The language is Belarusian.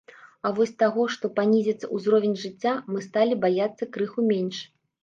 А вось таго, што панізіцца ўзровень жыцця, мы сталі баяцца крыху менш.